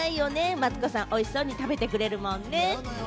マツコさん、おいしく食べてくれるもんね。